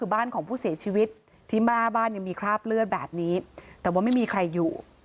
บ้านของผู้เสียชีวิตที่หน้าบ้านยังมีคราบเลือดแบบนี้แต่ว่าไม่มีใครอยู่